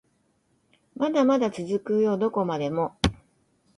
まだまだ続くよどこまでも